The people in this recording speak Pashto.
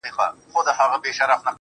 او خبرو باندي سر سو.